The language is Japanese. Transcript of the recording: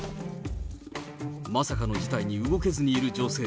まさかの事態に動けずにいる女性。